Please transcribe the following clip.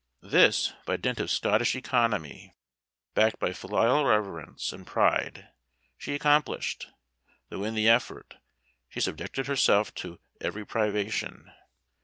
This, by dint of Scottish economy, backed by filial reverence and pride, she accomplished, though in the effort, she subjected herself to every privation.